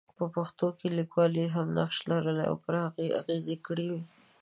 په پېښو کې لیکوال هم نقش لرلی او پر هغې یې اغېز کړی وي.